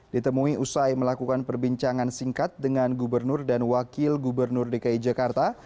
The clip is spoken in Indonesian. ditemui usai melakukan perbincangan singkat dengan gubernur dan wakil gubernur dki jakarta